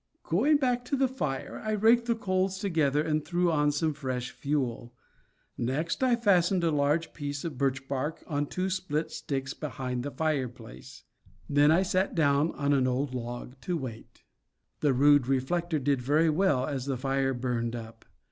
Going back to the fire, I raked the coals together and threw on some fresh fuel. Next I fastened a large piece of birch bark on two split sticks behind the fireplace; then I sat down on an old log to wait. The rude reflector did very well as the fire burned up.